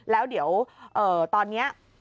แล้วเดี๋ยวตอนนี้